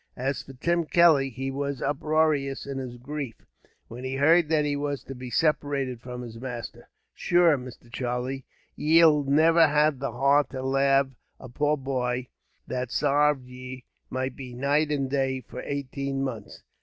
As for Tim Kelly, he was uproarious in his grief, when he heard that he was to be separated from his master. "Shure, Mr. Charlie, ye'll never have the heart to lave a poor boy, that sarved ye be night and day for eighteen months.